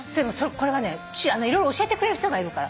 これはね色々教えてくれる人がいるから。